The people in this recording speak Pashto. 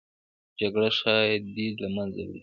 جګړه ښادي له منځه وړي